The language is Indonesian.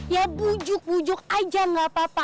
ya bujuk bujuk aja gak apa apa